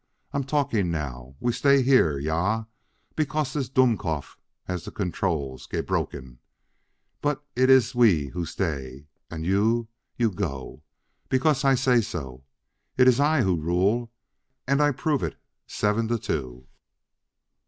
I am talking now! We stay here ja because this Dummkopf has the controls gebrochen! But it iss we who stay; und you? You go, because I say so. It iss I who rule, und I prove it seven to two!"